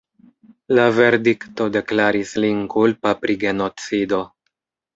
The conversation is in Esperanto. La verdikto deklaris lin kulpa pri genocido.